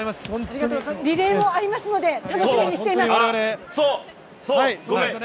リレーもありますので、楽しみにしています。